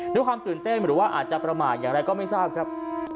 ด้วยความตื่นเต้นหรือว่าอาจจะประมาทอย่างไรก็ไม่ทราบครับ